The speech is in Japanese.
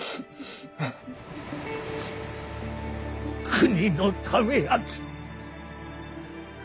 国のためやき。